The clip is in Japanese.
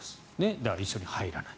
だから一緒に入らない。